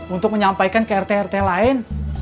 untuk menyampaikan ke rt rt lain